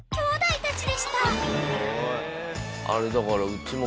あれだから。